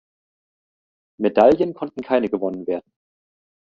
Medaillen konnten keine gewonnen werden.